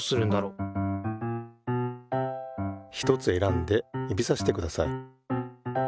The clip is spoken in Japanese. ひとつ選んで指さしてください。